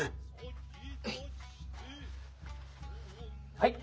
はい。